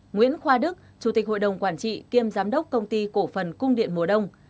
nguyễn khoa đức chủ tịch hội đồng quản trị kiêm giám đốc công ty cổ phần cung điện mùa đông